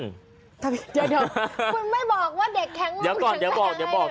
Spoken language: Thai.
เดี๋ยวคุณไม่บอกว่าเด็กแข็งลึงแข็งใส่ยังไงเลยหรือ